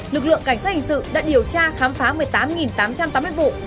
lực lượng cảnh sát hình sự đã điều tra khám phá một mươi tám tám trăm tám mươi vụ